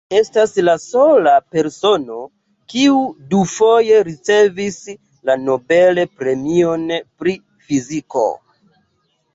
Li estas la sola persono, kiu dufoje ricevis la Nobel-premion pri fiziko.